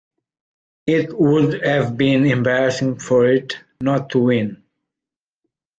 It would have been embarrassing for it not to win.